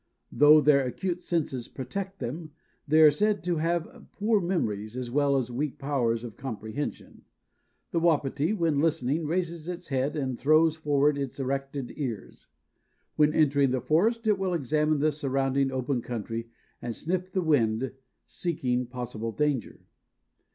Though their acute senses protect them, they are said to have poor memories as well as weak powers of comprehension. The Wapiti when listening raises its head and throws forward its erected ears. When entering the forest it will examine the surrounding open country and sniff the wind, seeking possible danger.